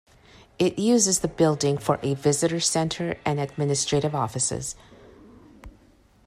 It uses the building for a visitor center and administrative offices.